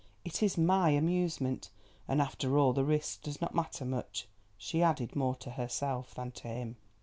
It is my amusement, and after all the risk does not matter much," she added, more to herself than to him.